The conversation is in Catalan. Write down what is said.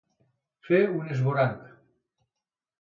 Fer un esvoranc.